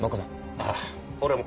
ああ俺も。